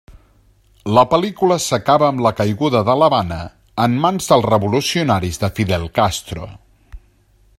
La pel·lícula s'acaba amb la caiguda de l'Havana en mans dels revolucionaris de Fidel Castro.